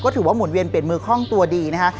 ถือว่าหุ่นเวียนเปลี่ยนมือคล่องตัวดีนะคะ